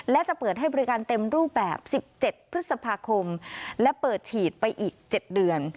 และจะเปิดให้บริการเต็มรูปแบบ๑๗พฤษภาคมและเปิดฉีดไปอีก๗เดือน